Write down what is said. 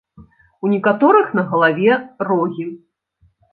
У некаторых на галаве рогі.